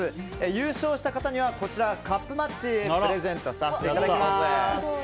優勝した方には、カップマッチをプレゼントさせていただきます。